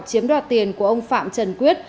chiếm đoạt tiền của ông phạm trần quyết